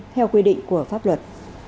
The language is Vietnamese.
theo quy định của pháp luật